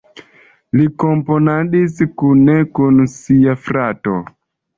Li komponadis kune kun sia frato.